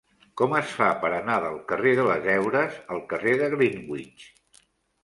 Com es fa per anar del carrer de les Heures al carrer de Greenwich?